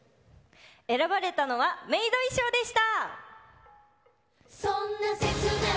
選ばれたのはメイド衣装でした！